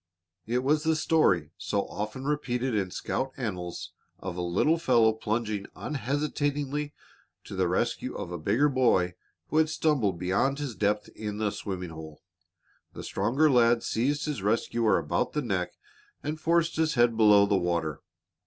It was the story, so often repeated in scout annals, of a little fellow plunging unhesitatingly to the rescue of a bigger boy who had stumbled beyond his depth in a swimming hole. The stronger lad seized his rescuer about the neck and forced his head below the water.